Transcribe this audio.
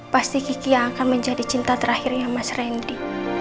pasti kiki yang akan menjadi cinta terakhirnya mas randy